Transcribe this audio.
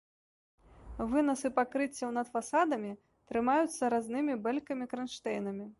Вынасы пакрыццяў над фасадамі трымаюцца разнымі бэлькамі-кранштэйнамі.